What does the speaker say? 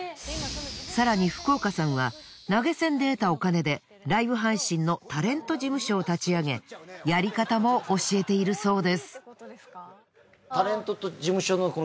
更に福岡さんは投げ銭で得たお金でライブ配信のタレント事務所を立ち上げやり方も教えているそうです。